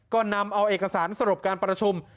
ก็นำเอาเอกสารสรุปการประชุม